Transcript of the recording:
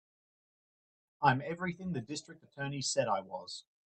I'm everything the District Attorney said I was.